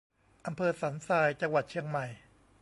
อำเภอสันทราย จังหวัดเชียงใหม่